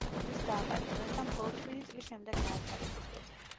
ის დააპატიმრეს და მხოლოდ შვიდი წლის შემდეგ გაათავისუფლეს.